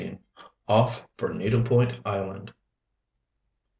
OFF FOR NEEDLE POINT ISLAND.